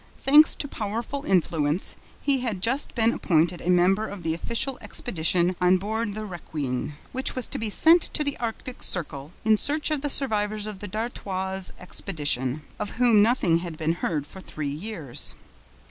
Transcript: Thanks to powerful influence, he had just been appointed a member of the official expedition on board the Requin, which was to be sent to the Arctic Circle in search of the survivors of the D'Artoi's expedition, of whom nothing had been heard for three years.